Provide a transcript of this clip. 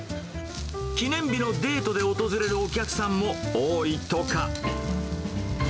記念日のデートで訪れるお客さんも多いとか。